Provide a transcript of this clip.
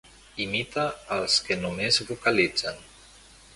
Imita els que només vocalitzen.